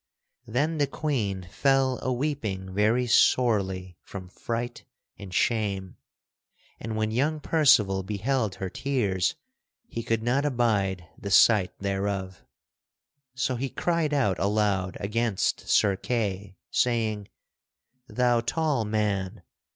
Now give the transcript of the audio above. [Sidenote: Percival berates Sir Kay] Then the Queen fell aweeping very sorely from fright and shame, and when young Percival beheld her tears, he could not abide the sight thereof. So he cried out aloud against Sir Kay, saying: "Thou tall man!